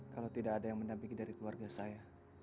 kalau tidak ada yang mendampingi dari keluarga saya